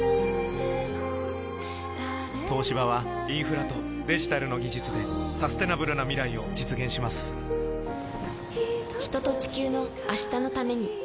東芝はインフラとデジタルの技術でサステナブルな未来を実現します人と、地球の、明日のために。